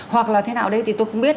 hoặc là thế nào đấy thì tôi không biết